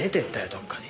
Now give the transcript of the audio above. どっかに。